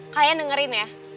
kalian dengerin ya